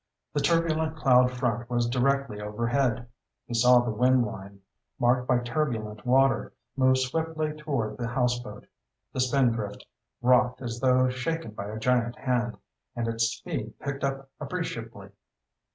The turbulent cloud front was directly overhead. He saw the wind line, marked by turbulent water, move swiftly toward the houseboat. The Spindrift rocked as though shaken by a giant hand, and its speed picked up appreciably.